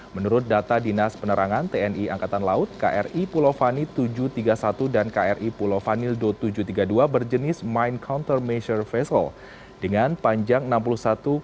menurut data dinas penerangan tni angkatan laut kri pulau fadi tujuh ratus tiga puluh satu dan kri pulau vanildo tujuh ratus tiga puluh dua berjenis mine counter measure vessel dengan panjang enam puluh satu empat meter lebar sebelas meter dan bobot satu empat ratus empat puluh empat ton